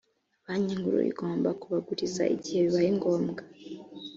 banki nkuru igomba kubaguriza igihe bibaye ngombwa